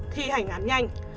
thi hành án nhanh